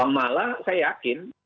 malah saya yakin